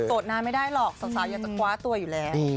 นานไม่ได้หรอกสาวอยากจะคว้าตัวอยู่แล้ว